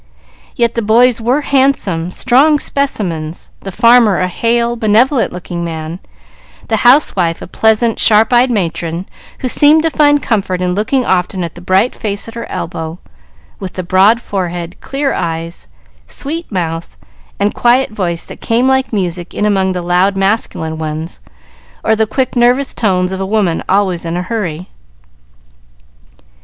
Yet the boys were handsome, strong specimens, the farmer a hale, benevolent looking man, the housewife a pleasant, sharp eyed matron, who seemed to find comfort in looking often at the bright face at her elbow, with the broad forehead, clear eyes, sweet mouth, and quiet voice that came like music in among the loud masculine ones, or the quick, nervous tones of a woman always in a hurry.